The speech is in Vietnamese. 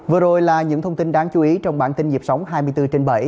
vừa rồi là những thông tin đáng chú ý trong bản tin dịp sóng hai mươi bốn trên bảy